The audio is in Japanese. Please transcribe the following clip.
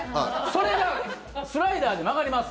それがスライダーで曲がります。